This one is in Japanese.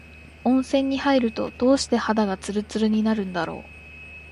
温泉に入ると、どうして肌がつるつるになるんだろう。